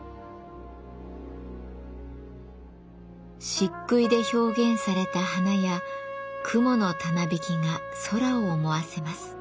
しっくいで表現された花や雲のたなびきが空を思わせます。